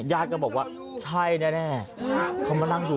แต่จุจุ